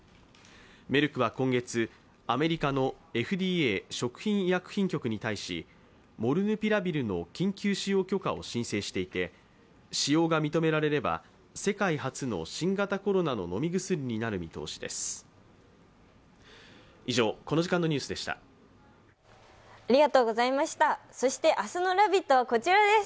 メルクは今月、アメリカのＦＤＡ＝食品医薬品局に対し、モルヌピラビルの緊急使用許可を申請していて使用が認められれば世界初の新型コロナの飲み薬になる見通しです。